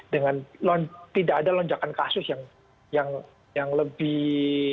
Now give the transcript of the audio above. dan tidak ada lonjakan kasus yang lebih